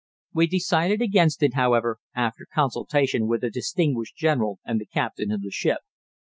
We decided against it, however, after consultation with a distinguished general and the captain of the ship.